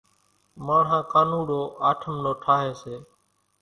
ماڻۿان ڪانوڙو آٺم نو ٺاۿي سي،